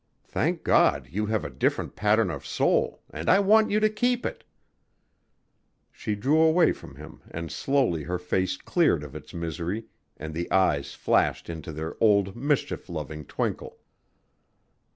Thank God, you have a different pattern of soul and I want you to keep it." She drew away from him and slowly her face cleared of its misery and the eyes flashed into their old mischief loving twinkle.